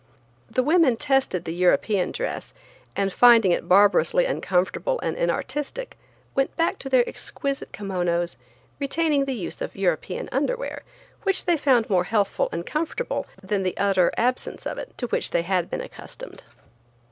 The women tested the European dress, and finding it barbarously uncomfortable and inartistic went back to their exquisite kimonos, retaining the use of European underwear, which they found more healthful and comfortable than the utter absence of it, to which they had been accustomed.